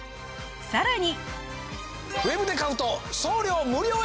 さらに。